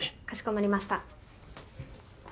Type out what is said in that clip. かしこまりました。